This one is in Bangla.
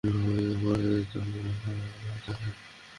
এ সময়ে তার আরো কয়েকটি পুত্র-কন্যার জন্ম হয়।